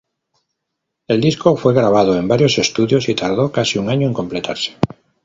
El disco fue grabado en varios estudios y tardó casi un año en completarse.